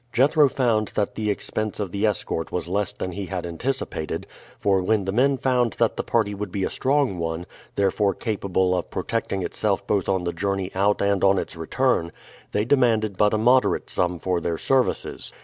Jethro found that the expense of the escort was less than he had anticipated, for when the men found that the party would be a strong one, therefore capable of protecting itself both on the journey out and on its return, they demanded but a moderate sum for their services.